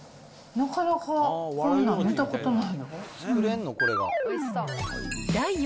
なかなかこんなん見たことないよ